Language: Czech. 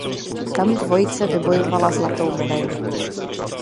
Tam dvojice vybojovala zlatou medaili.